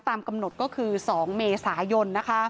ตามกำหนดก็คือ๒เมษายน